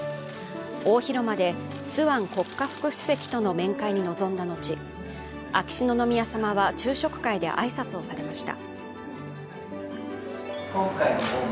大広間でスアン国家副主席との面会に臨んだのち、秋篠宮さまは昼食会で挨拶をされました。